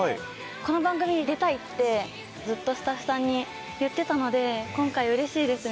この番組に出たいってずっとスタッフさんに言ってたので今回うれしいです